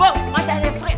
bok matanya free